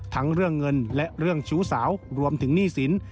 ทั้งเรื่องเงินและเรื่องชู้สาวรวมถึงหนี้สิน